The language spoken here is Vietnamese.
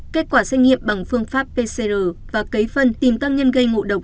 kết quả xét nghiệm bằng phương pháp pcr và cấy phân tìm tăng nhân gây ngộ độc